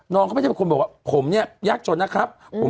น้องเขาไม่ได้เป็นคนบอกว่าผมเนี่ยยากจนนะครับ